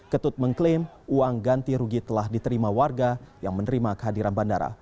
ketut mengklaim uang ganti rugi telah diterima warga yang menerima kehadiran bandara